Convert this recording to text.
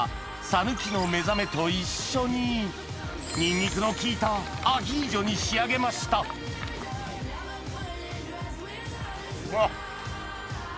「さぬきのめざめ」と一緒ににんにくの効いたアヒージョに仕上げましたうわっ。